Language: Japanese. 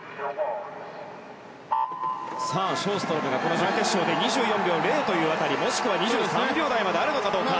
ショーストロムがこの準決勝で２４秒０という辺りもしくは２３秒台まであるのかどうか。